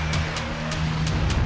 kampuc gold untuk saat weeb